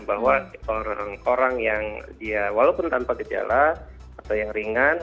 bahwa orang yang dia walaupun tanpa gejala atau yang ringan